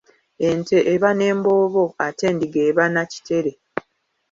Ente eba n'emboobo ate endiga eba na kitere.